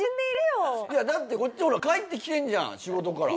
だってこっちほら帰ってきてんじゃん仕事から。